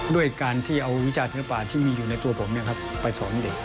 ด้วยการที่เอาวิชาศิลปะที่มีอยู่ในตัวผมไปสอนเด็ก